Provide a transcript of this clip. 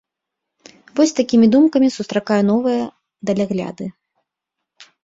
Вось з такімі думкамі сустракаю новыя далягляды.